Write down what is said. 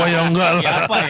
wah ya enggak loh